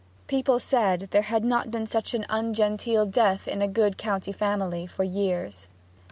People said there had not been such an ungenteel death in a good county family for years.